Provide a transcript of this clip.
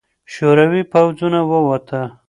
شوروي پوځونه ووته.